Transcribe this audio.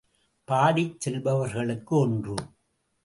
பாடிச் செல்பவர்களுக்கு ஒன்று.